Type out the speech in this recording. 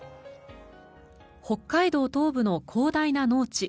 北海道東部の広大な農地。